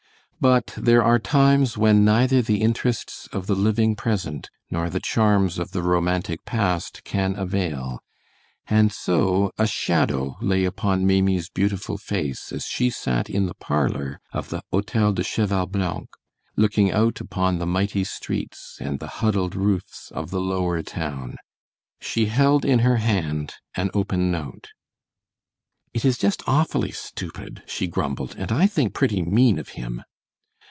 But there are times when neither the interests of the living present nor the charms of the romantic past can avail, and so a shadow lay upon Maimie's beautiful face as she sat in the parlor of the Hotel de Cheval Blanc, looking out upon the mighty streets and the huddled roofs of the lower town. She held in her hand an open note. "It is just awfully stupid," she grumbled, "and I think pretty mean of him!"